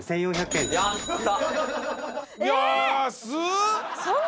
やった。